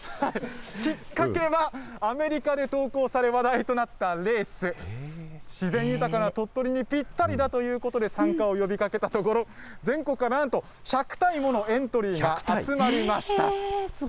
きっかけは、アメリカで投稿され話題となったレース、自然豊かな鳥取にぴったりだということで、参加を呼びかけたところ、全国からなんと１００体ものエントリーが集まりました。